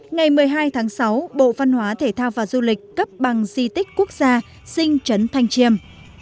ngày một mươi hai tháng sáu bộ văn hóa thể thao và du lịch cấp bằng di tích quốc gia sinh chấn thanh chiêm